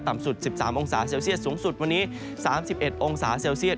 สุด๑๓องศาเซลเซียสสูงสุดวันนี้๓๑องศาเซลเซียต